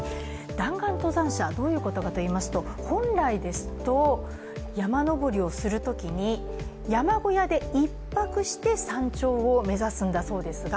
弾丸登山者、どういうことかと言いますと本来ですと、山登りをするときに山小屋で１泊して山頂を目指すんだそうですが